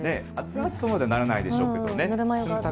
熱くまではならないでしょうけど。